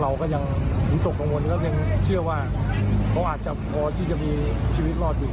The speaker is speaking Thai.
แล้วก็เรายังหูดกของมนุษย์แล้วเรียนเชื่อว่าของเขาปอดที่จะมีชีวิตรอดอยู่